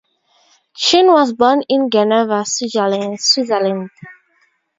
Chin was born in Geneva, Switzerland.